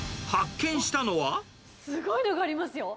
すごいのがありますよ。